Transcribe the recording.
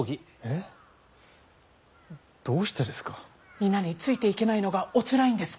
皆についていけないのがおつらいんですか？